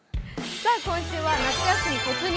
今週は夏休み突入！